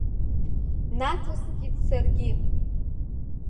Наҭаскит саргьы.